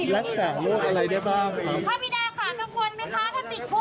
และแสนลูกอะไรได้บ้างครับ